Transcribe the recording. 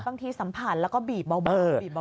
บางทีสัมผัสแล้วก็บีบเบา